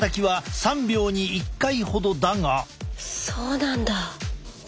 そうなんだ。